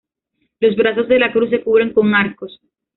Los brazos de la cruz se cubren con arcos.